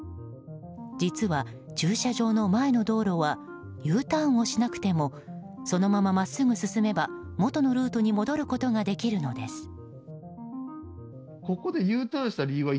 実は、駐車場の前の道路はＵターンをしなくてもそのまま真っすぐ進めば元のルートに戻ることができるのです。